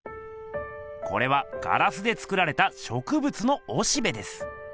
これはガラスで作られたしょくぶつのおしべです。